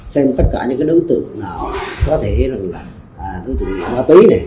xem tất cả những đối tượng có thể là đối tượng nghiệp ma túy này